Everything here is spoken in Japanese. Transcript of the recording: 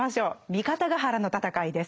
三方ヶ原の戦いです。